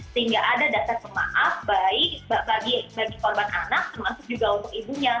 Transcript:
sehingga ada dasar pemaaf baik bagi korban anak termasuk juga untuk ibunya